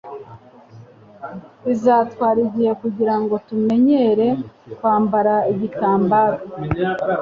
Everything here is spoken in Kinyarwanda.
Bizatwara igihe kugirango tumenyere kwambara igitambaro.